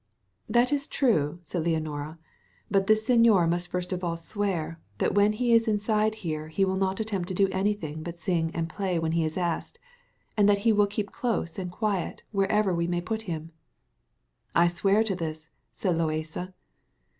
"That is true," said Leonora; "but this señor must first of all swear, that when he is inside here he will not attempt to do anything but sing and play when he is asked, and that he will keep close and quiet wherever we may put him." "I swear to this," said Loaysa.